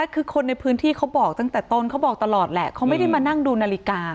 คือคนในพื้นที่เขาบอกตั้งแต่ต้นเขาบอกตลอดแหละเขาไม่ได้มานั่งดูนาฬิกา